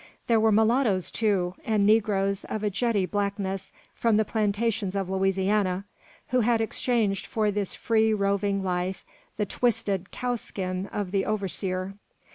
There were mulattoes, too, and negroes of a jetty blackness from the plantations of Louisiana, who had exchanged for this free, roving life the twisted "cow skin" of the overseer.